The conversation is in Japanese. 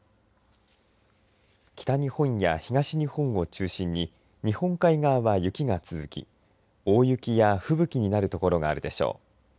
北日本や東日本を中心に日本海側は雪が続き大雪や吹雪になる所があるでしょう。